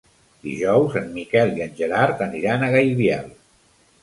Dijous en Miquel i en Gerard aniran a Gaibiel.